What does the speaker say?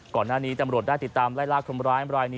ก่อนหน้านี้ตำรวจได้ติดตามไล่ลากคนร้ายรายนี้